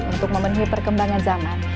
untuk memenuhi perkembangan zaman